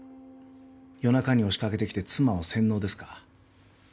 夜中に押しかけてきて妻を洗脳ですか？